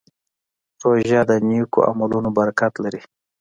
روژه د نیک عملونو برکت لري.